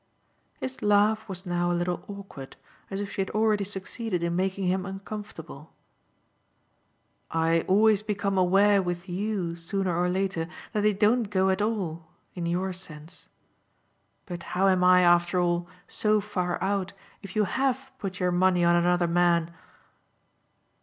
His laugh was now a little awkward, as if she had already succeeded in making him uncomfortable. "I always become aware with you sooner or later that they don't go at all in your sense: but how am I, after all, so far out if you HAVE put your money on another man?"